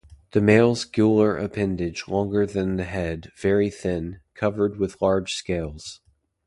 The male's gular appendage longer than the head, very thin, covered with large scales.